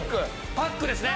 パックですね。